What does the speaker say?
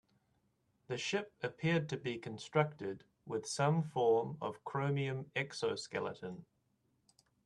The ship appeared to be constructed with some form of chromium exoskeleton.